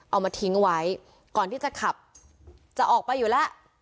เอามาทิ้งไว้ก่อนที่จะขับจะออกไปอยู่แล้ว